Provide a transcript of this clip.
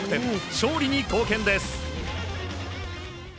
勝利に貢献です。